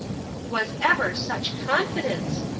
Was ever such confidence!